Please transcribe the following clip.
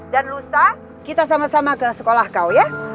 dan lusa kita sama sama ke sekolah kau ya